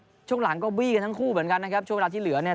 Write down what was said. แล้วช่วงหลังก็วี่คนทั้งคู่เหมือนกันครับช่วงหลักที่เหลือเนี่ย